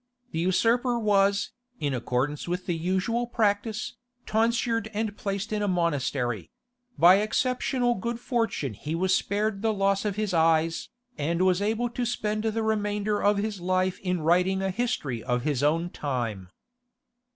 The usurper was, in accordance with the usual practice, tonsured and placed in a monastery; by exceptional good fortune he was spared the loss of his eyes, and was able to spend the remainder of his life in writing a history of his own time.